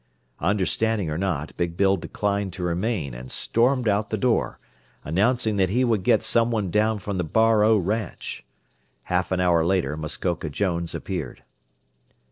Understanding or not, Big Bill declined to remain, and stormed out the door, announcing that he would get someone down from the Bar O ranch. Half an hour later Muskoka Jones appeared.